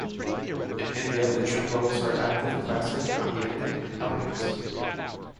In India, the trim levels were Active, Classic, Ambiente and Elegance.